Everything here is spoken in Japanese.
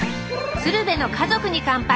「鶴瓶の家族に乾杯」。